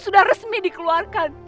sudah resmi dikeluarkan